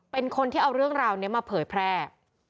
เป็นคนที่เอาเรื่องราวนี้มาเผยแพร่